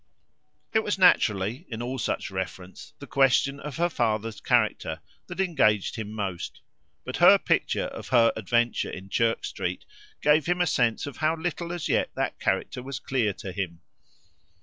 It was naturally, in all such reference, the question of her father's character that engaged him most, but her picture of her adventure in Chirk Street gave him a sense of how little as yet that character was clear to him.